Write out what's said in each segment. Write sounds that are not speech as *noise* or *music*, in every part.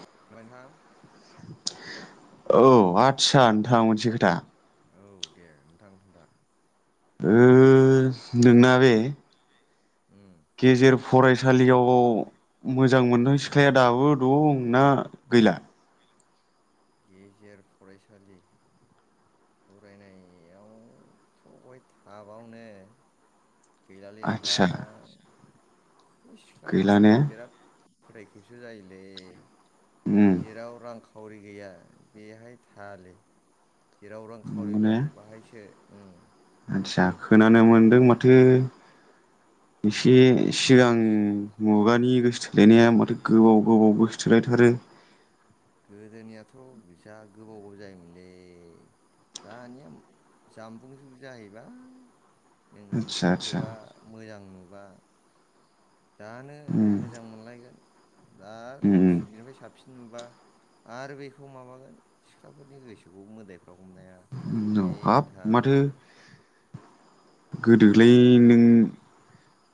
*unintelligible* औ आद आदसा नोंथां मोनसे खोथा। औ दे नोंथां खोन्था? उम्म नोंना बे उम्म गेजेर फरायसालियाव मोजां मोननाय सिख्लाया दाबो दंना गैला? गेजेर फरायसालि फरायनायावथ बय थाबावनो? गैलालै आदसा ओन्थां। *unintelligible* सिख्लाफ्रा गैला ने बिराद। फोथाय खेबस जायोलै। उम जेराव रां खा खावरि गैया। बेहाय थायालै। जेराव रांखावरि नंगौ ने दं बाहायसो उम आदसा खोनानो मोन्दों माथो एसे सिगां मुगानि गोसथोलायनाया माथो गोबाव गोबाव गोसथोलायथारो। गोदोनियाथ जा गोबाव गोबाव जायोमोनलै दानिया जामबुं जुग जाहैबाय। नों आदसा आदसा सोरखौबा मोजां नु बा। दानो उम मोजां मोनलायगोन। दा उम सोर बिनिफाय साबसिन नुबा आरो बेखौ माबागोन सिख्लाफोरनि गोसोखौ मोदाय *unintelligible* हमनो हाया उम ए हाब नोंथां। गोदोलै नों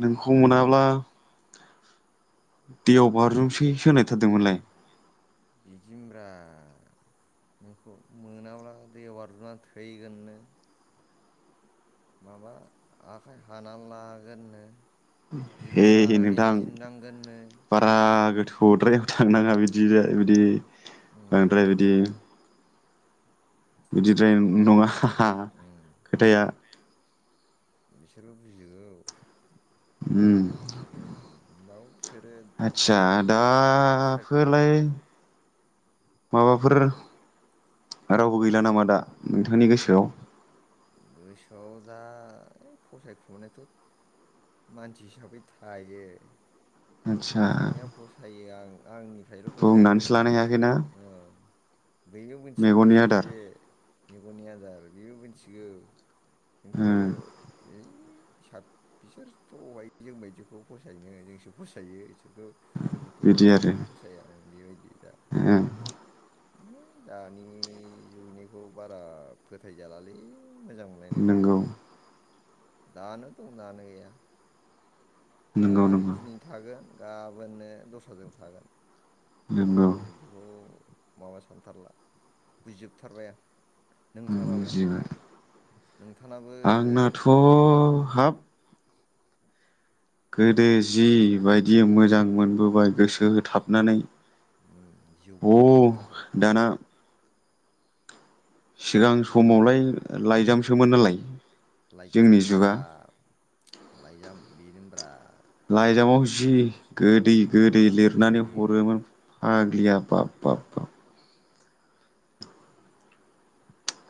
नोंखौ मोनाब्ला दैयाव बारजुमसैसो होनाय थारदोंमोनलाय। बिदिनब्रा नोंखौ मोनाब्ला दै बारजुमनानै थैगोननो। माबा आखाइ हानानै लागोननो हे दिरुं हे लानानै नोंथां दिन्दांगोननो बारा गोथौ थौद्राय थांनाङा बिदि जा बिदि। उम बांद्राय बिदि। बिदिद्राय नङा। हा उम खोथाया बिसोरबो बुजिगौ। ओम बुजिगौ होमबाबो बिसोरो आतसा दा सायख'गोन फोलाय। माबाफोर रावबो गैला नामा दा नोंथांनि गोसोआव? गोसोआव दा फसायखुमानायथ मानसि हिसाबै थायो। आदसा फसायनाया फसायो आं। आंनि फाइ ल फसायो बुंनानैसो लानो हायाखैना औ। बेबो मिथिगौ मेगननि एसेे आदार एसे। जिबौनि आदार बेयो मिथि बियो। ओ खिन्थु *unintelligible* हिसाब बिसोरथहाय जों बायदिखौ फसायोनो जोंसो फसायो बिसोरखौ जोंखौथ बिदि जों आरो बादिखौथ फसाया ओं बेदि ओ *unintelligible* दानि जुगनिखौ बारा फोथायजालालै मोजां मोनलायनायखौ नंगौ दानो दं दानो गैया। दा नंगौ नंगौ दिनै थागोन गाबोननो दस्राजों थागोन खुनु नंगौ आं बिदिखौ माबा सानथारला बुजिजोबथारबाय आं नोंथाङालाय बुजिबाय नोंथाङाबो आंनाथ हाब गोदो जिबायदि मोजां मोनबोबाय गोसो होथाबनानै जिउ अ बाउसोमबोथारदोंमोन दाना सिगां समावलाय लाइजामसोमोन नालाय। लाइजाम जुगा लाइजाम बिनिमोनब्रा लाइजामाव जि गोदै गोदै लिरनानै लिरो हरोमोन फाग ग्लिया बाफ बाफ बाफ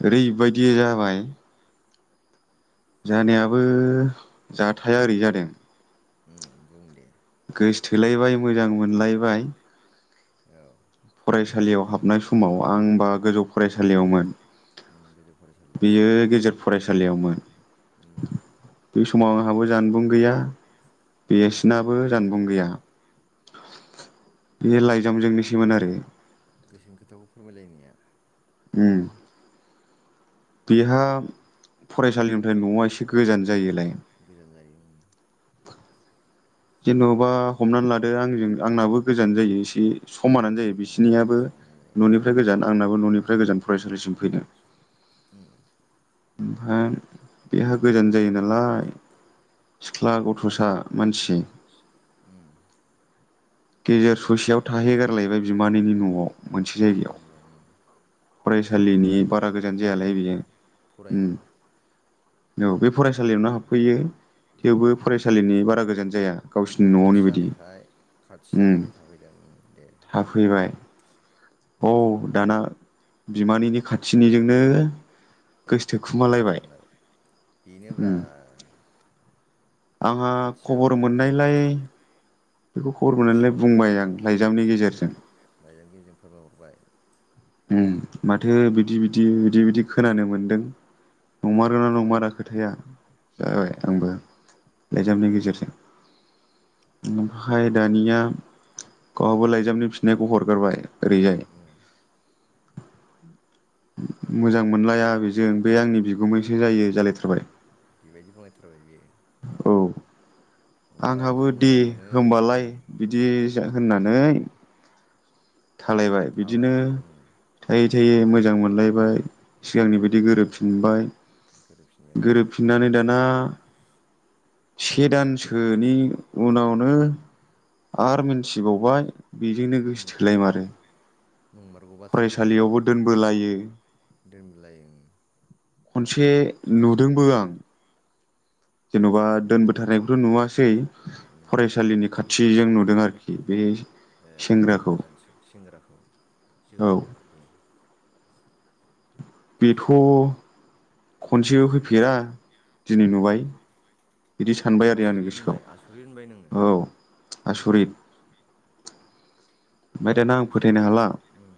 ओरैबायदि जाबाय। जाहानियाबो जाथाया ओरै जादों। उ बुं दे गोसथोलायबाय मोजां मोनलायबाय। औ फरायसालियाव हाबनाय समाव आं बा गोजौ फरायसालियावमोन ओम बे बेयो गेजेर फरायसालियावमोन। उम बे समाव आंहाबो जानबुं गैया। बेयावबो बेसिनाबो ज' जानबुं गैया। बे लाइजामजोंसैमोन आरो गोसोनि खोथाखौ फोरमायलायनाया। उम बेहा फरायसालिनिफ्राय नआ एसे गोजान जायोलाय। गोजान जायो ओं जेनबा हमनानै लादो आंजों आंनाबो गोजान जायो एसे गोजान समानानो जायो उम बिसिनियाबो समान जायो उम ननिफ्राय गोजान आंनाब बो न'निफ्राय गोजान फरायसालिसिम फैनो। उम्म ओमफाय बेहा गोजान जायो नालाय सिख्ला गथसा मानसि उम गेजेर स ससेयाव थाहैगारलायबाय बिम मानैनि न'आव मोनसे जायगायाव बिमानि राव उम फरायसालिनि फरायनो बारा गोजान फरायनो जायालाय बेयो उम फरायनो औ बे फरायसालियावनो हाबफैयो। उम थेवबो फरायसालिनि बा बारा गोजान जाया गावसिनि न'आवनि बायदि थि उम जानायखाय थाफैदों उम दे *unintelligible* औ दाना बिमानैनि खाथिनिजोंनो गोसथोखुमालायबाय आरामलाय बेनोब्रा उम आंहा खाथि खबर जाबाय उम मोननायलाय बेखौ खबर मोननायलाय गोसोआव बुंबाय उम आं लाइजामनि गेजेरजों लाइजामगिरिजों फोरमायहरबाय उम माथो बिदि बिदि बिदि बिदि खोनानो मोनदों नंमारोना नंमारा खोथाया जाबाय आंबो लाइजामनि गेजेरजों ओमफाय दानिया गावहाबो लाइजामनि फिननायखौ हरगारबाय ओरैजाय *inaudible* उम मोजां मोनलाया बेजों बे आंनि बिगुमैसो जायो जालायथारबाय बेबायदि बुंलायथारबाय इयो औ। ओरै आंहाबो जि दे मोजां मोनो हमबालाय उम बिदि होननानै थालायबाय बिदिनो थाबाय उम थाय दे मोजां मोनलायबाय सिगांनि बादि गोरोबफिनबाय गोरोबफिनबाय उम गोरोबफिननानै दाना से दानसोनि उनावनो आर मिनथिबावबाय बेजोंनो उम सोलायमारो नंमारगौ बाथ्राया सैथो फरायसालियावबो दोनबोलायो दोनलाय उम खनसे नुदोंबो आं। जेनबा दोनबोथारनायखौथ' नुवासै। उम फरायसालिनि खाथिजों नुदों आरोखि बे ए सेंग्राखौ मानसि सेंग्राखौ औ। जोहोलावखौ दे बेथ' खनसेबो फैफेरा। दिनै उम नुबाय। बिदि सानबाय आरो आंनि आसुरि गोसोआव होनबाय आसुरि होनबाय नोङो औ। आसरिट ओमफाय दाना आं गोसोआवथ' फोथायनो हाला उम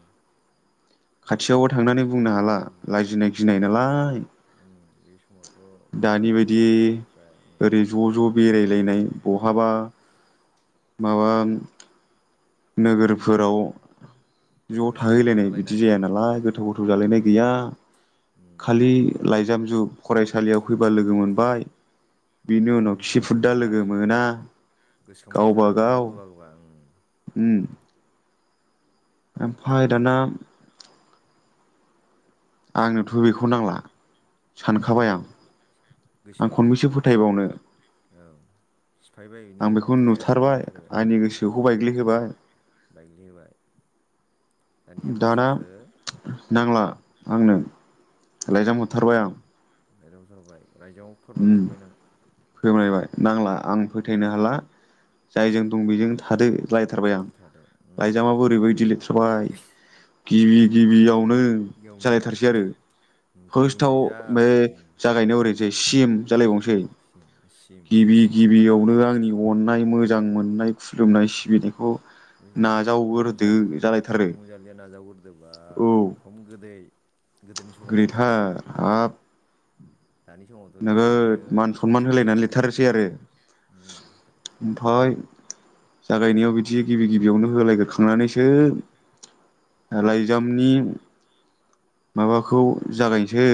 खाथियावबो गोसोखौ थांनानै बुंनो हाला उम लाजिनाय गिनाय नालाय। आइ उम बे समावथ' बारा दानि बायदि माबाबो जाया उम ओरै नङा ज ज बेरायलायनाय बहाबा माबा नोगोरफोराव ज गोथाव गोथाव थाहैलायनाय बिदि जाहोलायनाय जाया उम नालाय उम गोथौ गोथौ उम जालायनाय गैया उम खालि लाइ गामजु फरायसालियाव फैबा लोगो मोनबाय बिनि उनाव गैयाथ खिफुदा गैला लोगो मोना गोसोखांबाय था गावबा गाव गान्दु गोबा गोबा उम ओमफ्राय दाना आंनोथ' बेखौ नांला नांला सानखाबाय आं आं गोसोआव खनबैसो फोथायबावनो फायबाय बिनि आं बेखौ फोथायनायखौनो नुथारबाय आंनि गोसोखौ फोथायबाय बायग्लिहोबाय बाइग्लि होबाय दाना नांला आंनो लाइजाम हरथारबाय आं बे दावसार बय रायजोआव फोरमाय उम होथारबाय नों फोरमायबाय नांला आं फोथायनो हाला जायजों दं बेजों थादो। लायथारबाय आं थादो उम लाइजामाबो ओरैबायदि लिरथारबाय गिबि गिबियाव नो यावनो जालायथारसै आरो गोदोनि फार्स्टआव लाइजाम बे जागायनायाव ओरैहोनसै सिम जालायबावनोसै सिम सिम गिबि गिबियावनो आंनि अननाय मो मोजां मोननाय खुलुमनाय सिबिनायखौ नों नाजावग्रोदो अनजालि ओं जालायथारो नों अनजालिया नाजागोरदोबा, खम गोदै गोदोनि समाव बेयो आरो गोदैथार आब दानि समावथ' बे नोगोद ओरैनो मान सनमान उम होलायनानै लिरथारसैआरो उम फाय जागायनायाव बिदि गिबि गिबियावनो होलायग्रखांनानैसो लाइजामनि माबाखौ जागायनोसै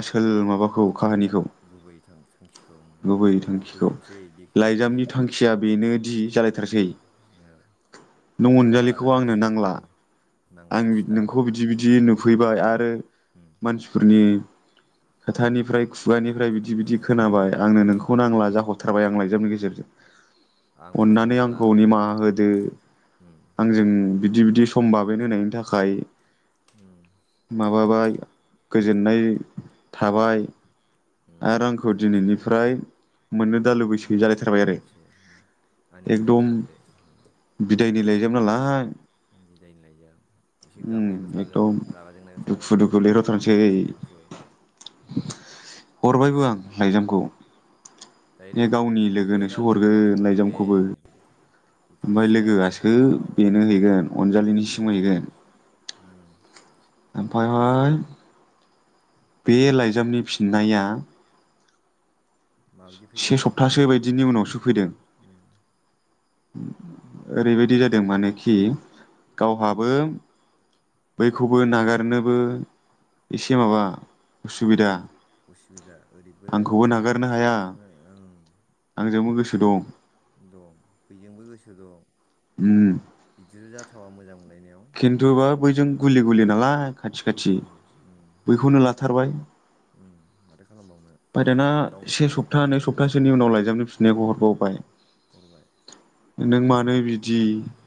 आसोल माबाखौ काहानिखौ गुबै थांखिखौ गुबै थांखिखौ बेखेवजेनसै बेखेवजेनसै लाइजामनि थांखिया बेनोदि जालायथारसै बिदि औ नों रागा अनजालिखौ रागा जादा आंनो नांला आं नोंखौ बिदि बिदि नुफैबाय उम आरो उम मानसिफोरनि खोथानिफ्राय खुगानि फ्राय बिदि बिदि बुंबाय खोनाबाय आंनो नोंखौनो खोनाबाय नांला जाहरथारबाय आंलाय गामि गेजेरजों आं फोथायनो अननानै हाला आंखौ उम निमाहा होदो उम आंजों बिदि बिदि समबाब मेन्ट होनायनि थाखाय। उ माबाबाय गोजोननाय थाबाय। उम रांखौ दिनैनि फ्राय मोननो दालुगैसै जालायथा थारबाय आरो एसे आंनि गोजान एकदम थादो बिदायनि लाइजाम नालाय बिदायनो एसे उम गाबनायबो थागोन एकदम रागा जोंनायबो दुखु थागोन दुखु लिरहरथारसै दुखु। हरबायबो आं लाइजामखौ। बे डाइरेक्ट गावनि हरखो ना लोगोनोसो लोगोनि आखायाव हरगोन हरखो ए लाइजामखौबो बेथ' ओमफाय सिदा लोगोआसो बेनो हैगोन अनजालिनि सि ए उम। ओमफायहाय बे लाइजामनि फिननाया माबायदि से फैखो सप्तासो बायदिनि उनावसो फैदों। उम ओरैबायदि जादों मानोखि गावहाबो बैयखौबो नागारनोबो एसे माबा उसुबिदा। उसुबिदा ओरैबो आंखौबो नागारनो ओ ओं। जोंबो गोसो दं। दं बेजोंबो गोसो दं। बिदि जाथावा मोजां मोन खिन्थु बा बैजों गुलि गुलि नालाय। खाथि खाथि गुरै उम उम बैखौनो ला थारबाय। उम माथो खालामबावनो बाय दाना गाव से सप्ता नै सप्तासेनि उनाव लायज बियावनो फिननायखौ हरबावबाय। हरबाय। नों मानो बिदि।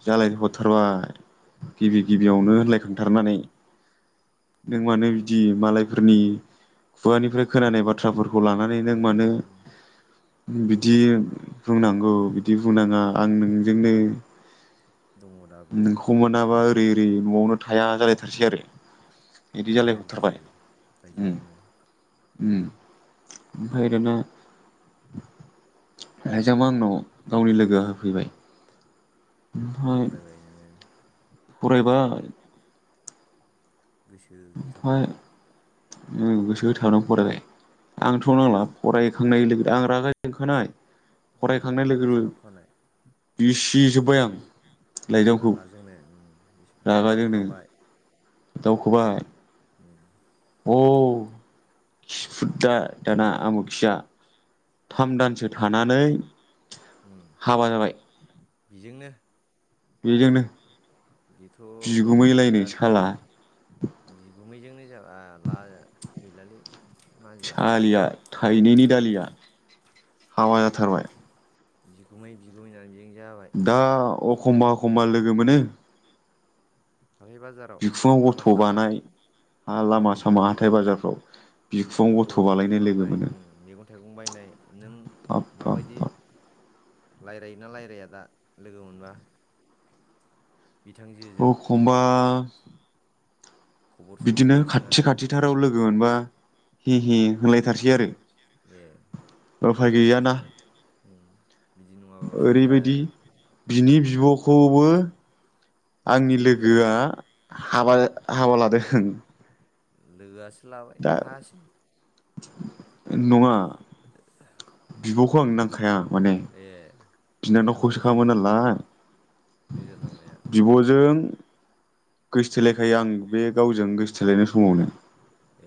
जालाय उम हरथारबाय। गिबि गिबियावनो उम होनलायखांथारनानै नों मानो हाब बिदि बुरे उम मालायफोरनि खुगानिफ्राय खोनानाय बाथ्राफोरखौ लानानै नों मानो बिदि बुंनांगौ खालामखो बिदि उम बुंनाङा आं नोंजोंनो दङ दाबो खौ मोनाबा बा ओरै ओरै न'आवनो थाया उम जालायथारसै आरो इदि खोथाया जालायहरथारबाय बिदिसै उम। लाइजामावनो उम ओमफाय दाना लाइजामा आंनाव गावनि लोगोआ होफैबाय। ओमफ्राय फरायबाय नोङो फरायबाय। गोसो होथाबनानै ओ गोसो होथदों फरायबाय आंथ नांला फरायखांनाय लोगो आं रागा जोंखानाय उम फरायखांनाय लोगो रागा लोग जोंहाबखानाय बिसिजोबबाय आं लाइजामखौ रागाजोंनो रागा दावखोखाबाय। दावखोबाय। उम अ खिफुदला दाना आमुखिया थाम दानसो थानानै उम हाबा जाबाय *inaudible* बेजोंनो बेजोंनो बेथ बिगुमै लायनो बिराद साला बिगुमैजोंनो केला ला यै गैलालै मा जाबावगोन सालिया थाइनैनि दालिया। हाबाजा थारबाय बिगुमै बिगुमै *unintelligible* दा अ अखमबा अखमबा लोगो मोनो। हाथाय बाजाराव बिखुङाव लामा गथ' सामा बानाय हा लामा सामा हाथाय बाजारफ्राव। बिखुङाव गथ' ख्रस बालायनाय लोगो खालामनाय मोनो मैगं थाइगं बायनाय नों बाब बाब माबायदि बाब लायराय ना रायराया दा लोगो मोनबा? बिथांजोजों अखमबा खबर सबर बिदिनो सोंना सोङा खाथि खाथिथाराव लोगो मोनबा हि हि होनलायथारसै आरो ए उफाय गैयाना। उम बिदि नङाबाबो ओरैबायदि जाया बिनि बिबखौबो आंनि नोजोर लोगोआ होदोंमोन हाबा हाबा लादों। लोगोआ लाबाय दा नों हायासि नङा बिबखौ आंनो नांखाया। माने ए बिनानावखौसो बिनानावखौसोमोन खामोनालाय नोजोर नांनाया बिब'जों गोसोथोलायखायो आं बे गावजों गोसोथोलायनाय समावनो।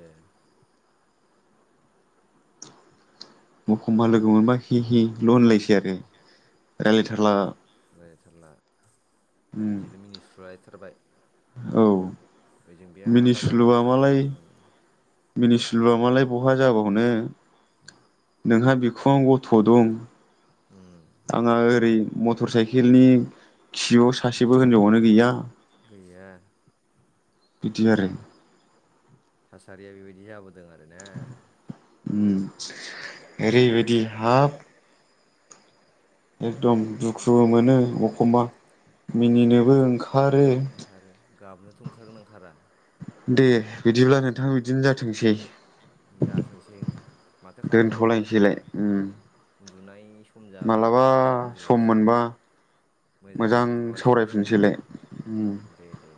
ए एखम्बा लोगो मोनबा हि हि ल होनलायसै आरो रायज्लायथारला। रायल्जायथारला उम बिदिनो मिनिसुलायथारबाय। औ। ओजों बेहा हाबा जाबावलायथारबाय। मिनिस्लु मालाय बहा जाबावनो। *unintelligible* नोंहा बिखुंयाव गथ दं। उम आंहा ओरै मटर साइकेलनि खिबुयाव सासेबो हिनजावानो गैया। गैया। बिदि आरो सारिया बेबायदि जा दों आरो ना। उम ओरैबायदि हाब एकदम दुखुबो मोनो एखमबा मिनिनोबो ओंखा आरो ओंखारो गाबनोथ ओंखारगोना ओंखारा? दे बिदिब्ला नोंथां बिदिनो जाथोंसै। जाथोंसै माथो खालामबावनो दोनथ'लायनोसैलाय उम औ उन्दुनाय सम जाबाय मालाबा सम उन्दुलांसै मोनबा मोजां गुवार सावैसै उम दे दे दे।